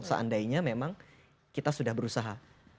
seandainya memang kita sudah berusaha